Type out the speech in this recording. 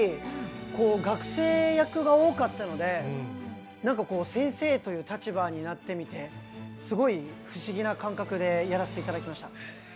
学生役が多かったので、先生という立場になってみて、すごい不思議な感覚でやらせていただきました。